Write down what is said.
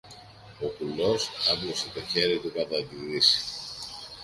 Ο κουλός άπλωσε το χέρι του κατά τη δύση.